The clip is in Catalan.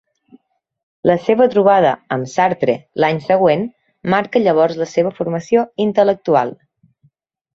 La seva trobada amb Sartre l'any següent marca llavors la seva formació intel·lectual.